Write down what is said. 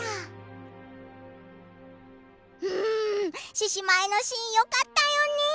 獅子舞のシーンよかったよね。